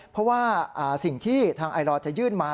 เพราะว่าสิ่งที่ทางไอลอร์จะยื่นมา